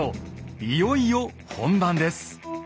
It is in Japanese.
いよいよ本番です。